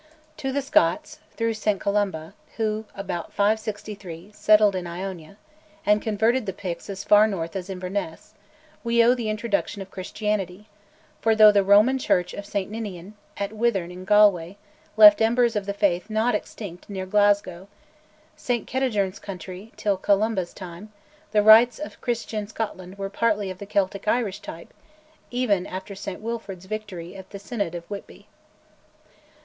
To the Scots, through St Columba, who, about 563, settled in Iona, and converted the Picts as far north as Inverness, we owe the introduction of Christianity, for though the Roman Church of St Ninian (397), at Whithern in Galloway, left embers of the faith not extinct near Glasgow, St Kentigern's country, till Columba's time, the rites of Christian Scotland were partly of the Celtic Irish type, even after St Wilfrid's victory at the Synod of Whitby (664).